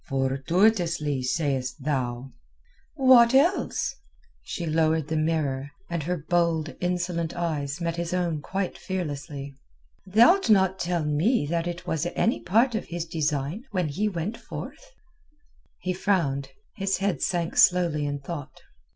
"Fortuitously, sayest thou?" "What else?" She lowered the mirror, and her bold, insolent eyes met his own quite fearlessly. "Thou'lt not tell me that it was any part of his design when he went forth?" He frowned; his head sank slowly in thought.